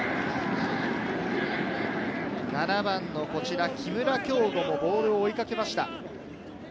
７番の木村匡吾もボールを追いかけました。